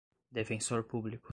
defensor público